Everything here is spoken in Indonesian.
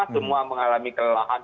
semua mengalami kelelahan